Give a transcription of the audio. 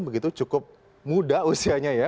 begitu cukup muda usianya ya